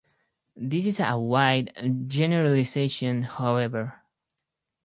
This is a wide generalization however.